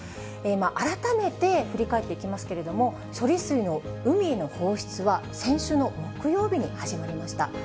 改めて振り返っていきますけれども、処理水の海への放出は、先週の木曜日に始まりました。